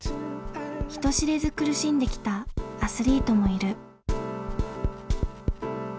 人知れず苦しんできたアスリートもいる。